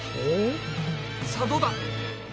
さあどうだ？